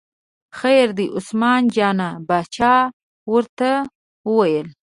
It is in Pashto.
خیر دی، عثمان جان باچا ورته وویل.